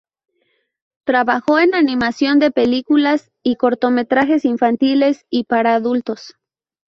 Trabajó en animación de películas y cortometrajes infantiles y para adultos.